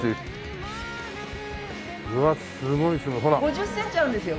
５０センチあるんですよ